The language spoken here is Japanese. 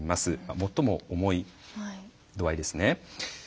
最も重い度合いですね。